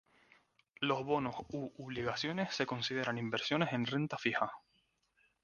Los bonos u obligaciones se consideran inversiones en renta fija.